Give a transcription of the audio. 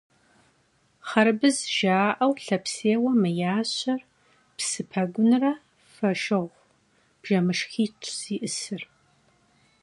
Xharbız jja'eu lhapsêiju mı yaşer psı pegunre foşığu bjjemışşxit'ş zı'ısır.